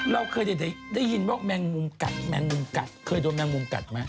เราเคยได้ยินว่าแมงมุมกัดแมงมุมกัดเคยโดนแมงมุมกัดไหม